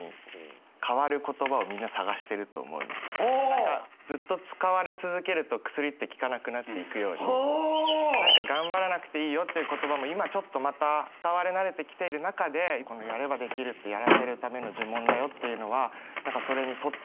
何かずっと使われ続けると薬って効かなくなっていくように「頑張らなくていいよ」という言葉も今ちょっとまた使われ慣れてきている中でこの「やればできるって、やらせるための呪文だよ」っていうのは何かそれに取って代わる